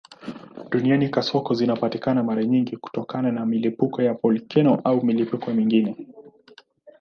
Duniani kasoko zinapatikana mara nyingi kutokana na milipuko ya volkeno au milipuko mingine.